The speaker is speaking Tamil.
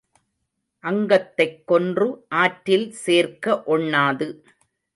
அங்கத்தைக் கொன்று ஆற்றில் சேர்க்க ஒண்ணாது.